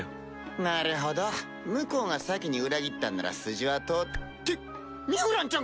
なるほど向こうが先に裏切ったんなら筋は通。ってミュウランちゃん